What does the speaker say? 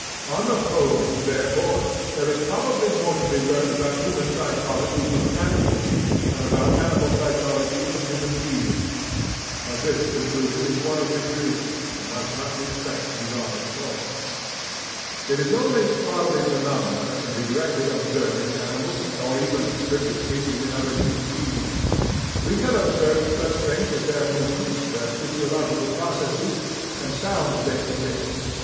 On the whole, therefore, there is probably more to be learnt about human psychology from animals than about animal psychology from human beings; but this conclusion is one of degree, and must not be pressed beyond a point. It is only bodily phenomena that can be directly observed in animals, or even, strictly speaking, in other human beings. We can observe such things as their movements, their physiological processes, and the sounds they emit.